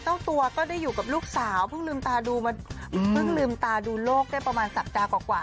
เต้นตัวก็ได้อยู่กับลูกสาวเพิ่งลืมตาดูโรคได้ประมาณสัปดาห์กว่า